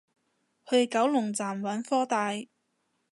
去九龍站揾科大